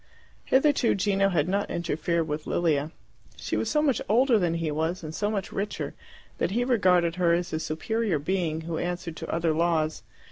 Hitherto Gino had not interfered with Lilia. She was so much older than he was, and so much richer, that he regarded her as a superior being who answered to other laws.